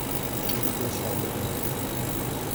چیزی جز شایعه نیست.